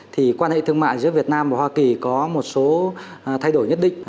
thì quan hệ thương mại giữa việt nam và hoa kỳ có một số thay đổi nhất định